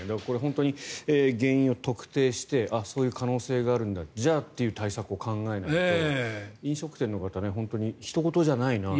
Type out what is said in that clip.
原因を特定してそういう可能性があるんだじゃあ、という対策を考えないと飲食店の方は本当にひと事じゃないなと。